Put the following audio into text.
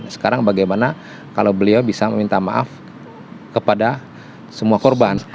sekarang bagaimana kalau beliau bisa meminta maaf kepada semua korban